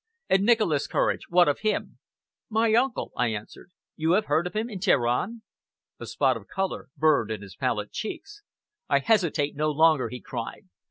And Nicholas Courage what of him?" "My uncle!" I answered. "You have heard of him in Teheran." A spot of color burned in his pallid cheeks. "I hesitate no longer," he cried.